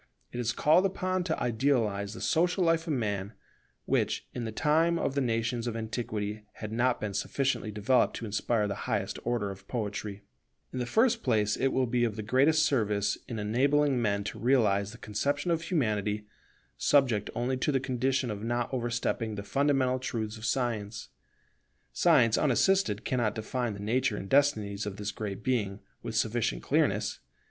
It is called upon to idealize the social life of Man, which, in the time of the nations of antiquity, had not been sufficiently developed to inspire the highest order of poetry. [Poetic portraiture of the new Supreme Being, and contrast with the old] In the first place it will be of the greatest service in enabling men to realize the conception of Humanity, subject only to the condition of not overstepping the fundamental truths of Science. Science unassisted cannot define the nature and destinies of this Great Being with sufficient clearness.